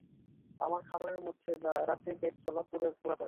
আমার খাবারের মধ্যে বা রাতে পেট জ্বালা পুড়া করে।